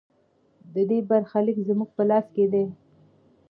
د دې برخلیک زموږ په لاس کې دی